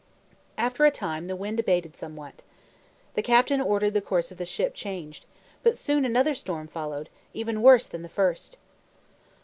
After a time the wind abated somewhat. The captain ordered the course of the ship changed, but soon another storm followed, even worse than the first.